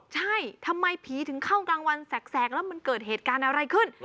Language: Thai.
ใช่ทำไมผีถึงเข้ากลางวันแสกแล้วมันเกิดเหตุการณ์อะไรขึ้น